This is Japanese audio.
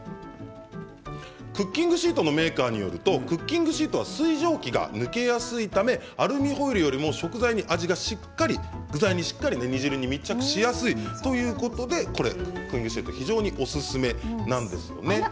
クッキングシートのメーカーによると、クッキングシートは水蒸気が抜けやすいためアルミホイルよりも食材に味がしっかり具材にしっかり煮汁に密着しやすいということでクッキングシートおすすめなんですね。